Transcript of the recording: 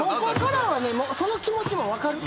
その気持ちも分かる。